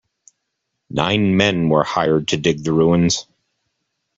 Nine men were hired to dig the ruins.